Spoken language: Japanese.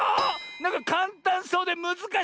なんかかんたんそうでむずかしい！